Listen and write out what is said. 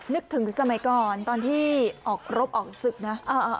นึกถึงสมัยก่อนตอนที่ออกรบออกศึกนะ